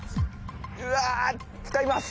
うわ使います！